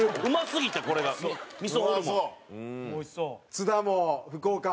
津田も福岡？